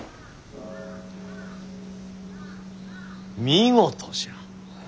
見事じゃ。